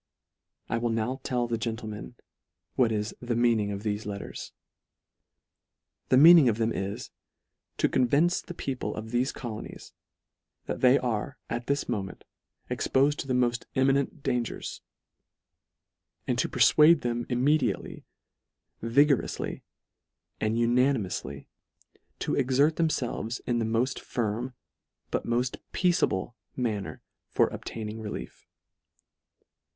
I will now tell the gentlemen, what is " the meaning of thefe letters." The mean ing of them is, to convince the people of thefe colonies, that they are at this moment expofed to the molt imminent dangers; and jto perfuade them immediately, vigouroufly, and unanimoufly, to exert themfelves, in the mod firm, but moft peaceable manner for obtaining relief.